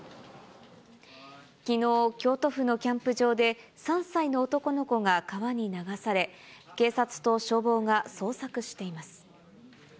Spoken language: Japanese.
きのう、京都府のキャンプ場で３歳の男の子が川に流され、警察と消防が捜索しています。